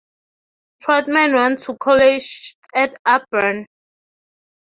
Trotman went to college at Auburn.